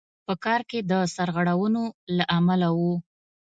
په کار کې د سرغړونو له امله وو.